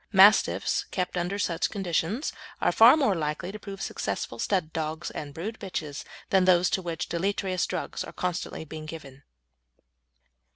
Mastiffs kept under such conditions are far more likely to prove successful stud dogs and brood bitches than those to which deleterious drugs are constantly being given.